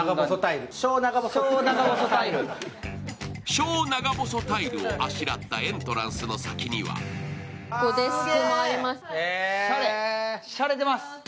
小長細タイルをあしらったエントランスの先にはしゃれてます。